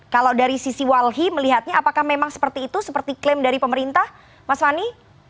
kalau dari sisi walhi melihatnya apakah memang seperti itu seperti klaim dari pemerintah mas fani